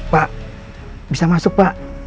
pak bisa masuk pak